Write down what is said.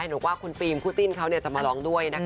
ผมว่าคุณเพลงคู่สิ้นเขาจะมาร้องด้วยนะคะ